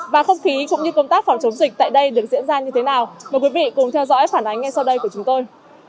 và không khí cũng như công tác phòng chống dịch tại đây được diễn ra như thế nào mời quý vị cùng theo dõi phản ánh ngay sau đây của chúng tôi